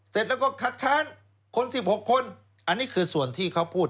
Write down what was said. เสร็จแล้วก็คัดค้านคน๑๖คนอันนี้คือส่วนที่เขาพูด